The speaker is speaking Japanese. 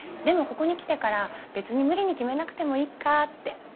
でもここに来てから別に無理に決めなくてもいいかって。